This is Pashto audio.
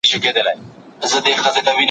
که انلاین زده کړه بې نظمه وي، نو تمرکز کمېږي.